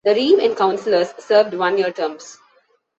The reeve and councillors served one-year terms.